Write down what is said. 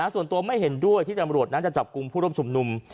ส่วนตัวไม่เห็นด้วยที่จำรวจนั้นจะจับกลุ่มผู้ร่วมชุมนุม